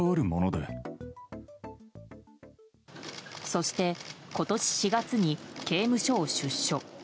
そして今年４月に刑務所を出所。